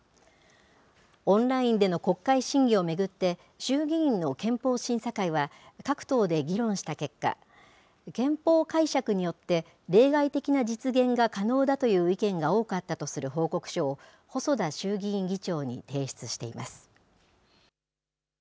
オンラインでの国会審議を巡って、衆議院の憲法審査会が各党で議論した結果、憲法解釈によって例外的な実現が可能だという意見が多かったとする報告書を、細田衆議院議長に提出しています。